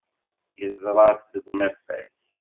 Yeẓra-t deg unafag.